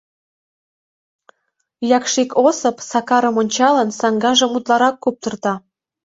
Якшик Осып, Сакарым ончалын, саҥгажым утларак куптырта.